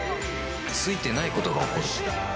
ついてないことが起こる